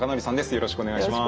よろしくお願いします。